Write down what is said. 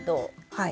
はい。